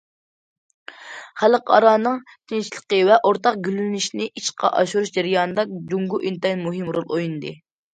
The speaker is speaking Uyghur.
خەلقئارانىڭ تىنچلىقى ۋە ئورتاق گۈللىنىشىنى ئىشقا ئاشۇرۇش جەريانىدا، جۇڭگو ئىنتايىن مۇھىم رول ئوينىدى.